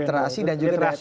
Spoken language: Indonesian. literasi dan juga